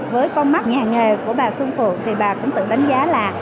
với con mắt nhà nghề của bà xuân phượng thì bà cũng tự đánh giá là